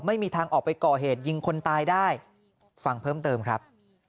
ไม่มีทางออกไปก่อเหตุยิงคนตายได้ฟังเพิ่มเติมครับ